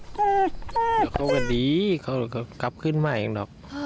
เดี๋ยวเขาก็ดีเขามีรถกรอบขึ้นใหม่หน่อย